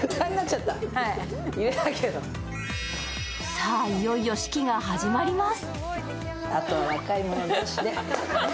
さぁ、いよいよ式が始まります。